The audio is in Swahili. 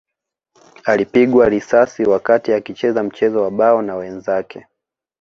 Alipigwa risasi wakati akicheza mchezo wa bao na wenzake